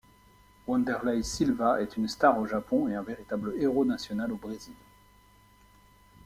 Wanderlei Silva est une star au Japon et un véritable héros national au Brésil.